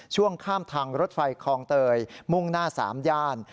ช่วงข้ามทางรถไฟคลองเตยมุ่งหน้า๓ย่าน